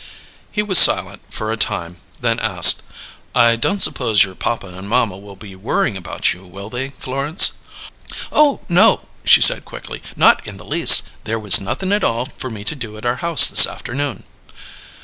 He was silent for a time, then asked, "I don't suppose your papa and mamma will be worrying about you, will they, Florence?" "Oh, no!" she said quickly. "Not in the least! There was nothin' at all for me to do at our house this afternoon."